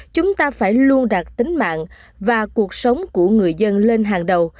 chúng ta phải lưu đặt tính mạng và cuộc sống của người dân lên hàng đầu